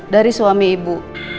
dari suami ibu